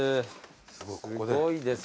すごいここで。